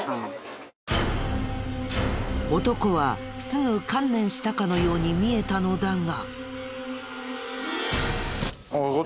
男はすぐ観念したかのように見えたのだが。